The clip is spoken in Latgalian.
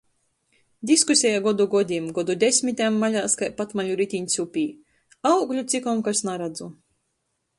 Diskuseja godu godim, godu desmitem maļās kai patmaļu ritiņs upē, augļu cikom kas naradzu.